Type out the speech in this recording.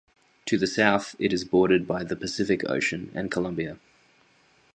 To the south, it is bordered by the Pacific Ocean and Colombia.